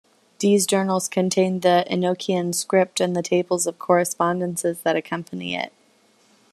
Dee's journals contained the Enochian script, and the tables of correspondences that accompany it.